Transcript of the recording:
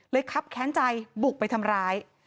ครับแค้นใจบุกไปทำร้าย